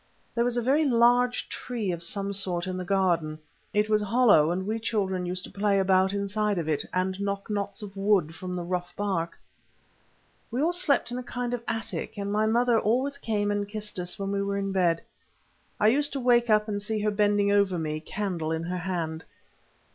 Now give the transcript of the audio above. There was a very large tree of some sort in the garden. It was hollow, and we children used to play about inside of it, and knock knots of wood from the rough bark. We all slept in a kind of attic, and my mother always came and kissed us when we were in bed. I used to wake up and see her bending over me, a candle in her hand.